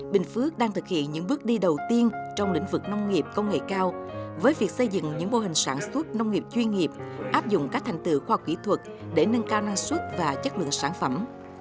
bình phước đang thực hiện những bước đi đầu tiên trong lĩnh vực nông nghiệp công nghệ cao với việc xây dựng những mô hình sản xuất nông nghiệp chuyên nghiệp áp dụng các thành tựu khoa học kỹ thuật để nâng cao năng suất và chất lượng sản phẩm